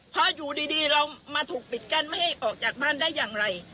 เพราะอยู่ดีเรามาถูกปิดกั้นไม่ให้ออกจากบ้านได้อย่างไร